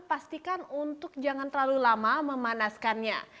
pastikan untuk jangan terlalu lama memanaskannya